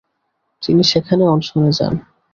তিনি সেখানে অনশনে যান।